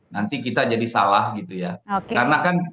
nanti kita jadi salah gitu ya karena kan